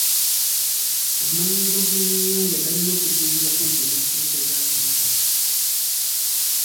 Amalundiro g'ebyennyanja galina kuzimbibwa kumpi n'ensibuko z'amazzi.